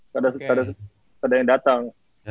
gak ada yang dateng